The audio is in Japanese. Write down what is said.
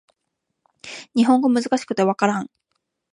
日本語難しくて分からん